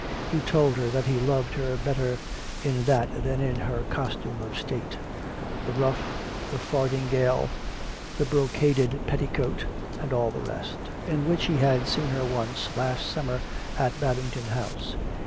He told her that he loved her better in that than in her costume of state — the ruff, the fardingale, the brocaded petticoat, and all the rest — in which he had seen her once last summer at Babington House.